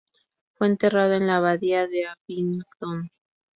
Fue enterrada en la Abadía de Abingdon.